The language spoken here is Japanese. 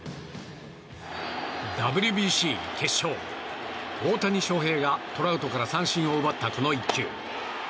ＷＢＣ決勝大谷翔平がトラウトから三振を奪った、この１球。